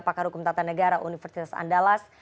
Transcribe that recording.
pakar hukum tata negara universitas andalas